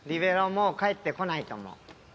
もう帰ってこないと思う。